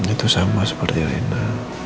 itu sama seperti rina